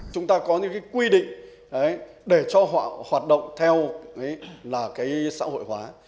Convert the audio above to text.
chúng ta có những quy định để cho họ hoạt động theo xã hội hóa